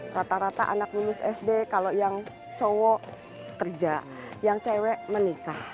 rata rata anak lulus sd kalau yang cowok kerja yang cewek menikah